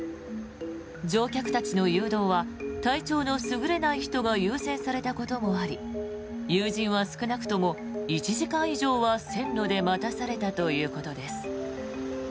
乗客たちの誘導は体調の優れない人が優先されたこともあり友人は少なくとも１時間以上は線路で待たされたということです。